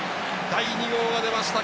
第２号が出ました。